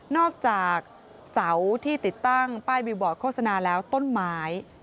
อกจากเสาที่ติดตั้งป้ายวิวบอร์ดโฆษณาแล้วต้นไม้